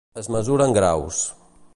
Es mesura en graus.